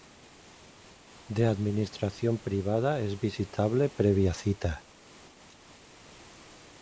De administración privada es visitable previa cita.